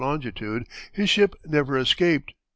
longitude, his ship never escaped.